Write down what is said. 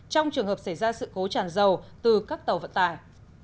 trong trường hợp xảy ra sự cố tràn dầu từ các tàu vận tải